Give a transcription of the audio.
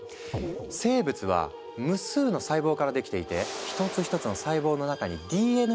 生物は無数の細胞からできていて１つ１つの細胞の中にＤＮＡが入っているの。